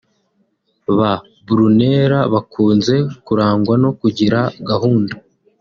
Ba Brunella bakunze kurangwa no kugira gahunda